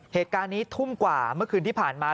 เหตุการณ์นี้ทุ่มกว่าเมื่อคืนที่ผ่านมา